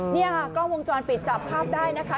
นี่ค่ะกล้องวงจรปิดจับภาพได้นะคะ